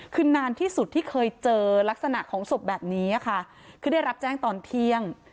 คือนานที่สุดที่เคยเจอลักษณะของศพแบบนี้ค่ะคือได้รับแจ้งตอนเที่ยง